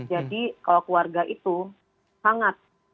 jadi kalau keluarga itu hangat